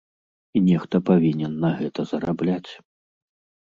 І нехта павінен на гэта зарабляць.